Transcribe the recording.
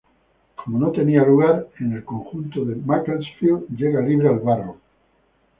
Como no tenía lugar en el conjunto de Macclesfield, llega libre al Barrow.